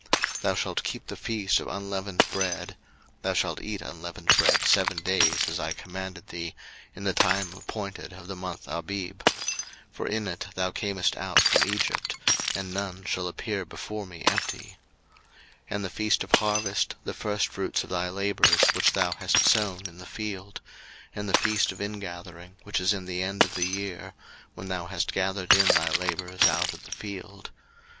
02:023:015 Thou shalt keep the feast of unleavened bread: (thou shalt eat unleavened bread seven days, as I commanded thee, in the time appointed of the month Abib; for in it thou camest out from Egypt: and none shall appear before me empty:) 02:023:016 And the feast of harvest, the firstfruits of thy labours, which thou hast sown in the field: and the feast of ingathering, which is in the end of the year, when thou hast gathered in thy labours out of the field.